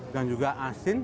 dan juga asin